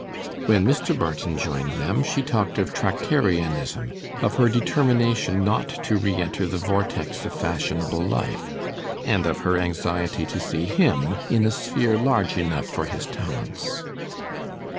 When Mr. Barton joined them she talked of Tractarianism, of her determination not to re enter the vortex of fashionable life, and of her anxiety to see him in a sphere large enough for his talents.